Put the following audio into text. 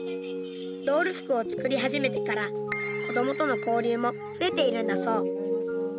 ドール服を作り始めてから子どもとの交流も増えているんだそう。